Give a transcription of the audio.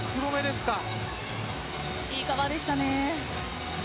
いいカバーでしたね。